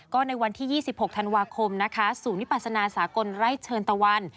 ก็ในวันที่๒๖ธันวาคมนะคะศูนย์วิปัสนาสากลไร่เชิญตะวัน